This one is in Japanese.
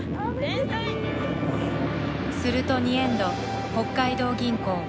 すると２エンド北海道銀行。